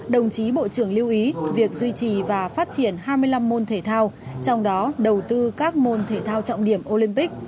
đồng chí bộ trưởng lưu ý việc duy trì và phát triển hai mươi năm môn thể thao trong đó đầu tư các môn thể thao trọng điểm olympic